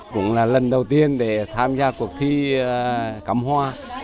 cũng là lần đầu tiên để tham gia cuộc thi cắm hoa